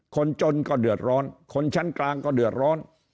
คนจนก็เดือดร้อนคนชั้นกลางก็เดือดร้อน